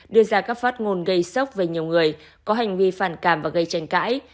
đưa ra các phát ngôn gây sốc về nhiều người có hành vi phản cảm và gây tranh cãi